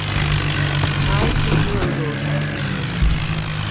Ai que lindo!